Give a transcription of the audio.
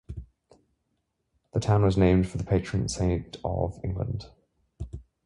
The town was named for the patron saint of England.